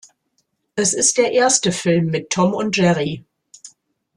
Es ist der erste Film mit Tom und Jerry.